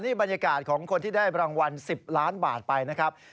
บรรยากาศของคนที่ได้รางวัล๑๐ล้านบาทไปนะครับ